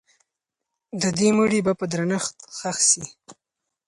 د دې مړي به په درنښت ښخ سي.